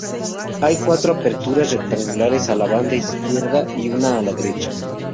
Hay cuatro aperturas rectangulares a la banda izquierda y una a la derecha.